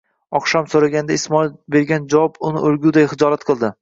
Oqshom so'raganda Ismoil bergan javob uni o'lguday xijolat qildi: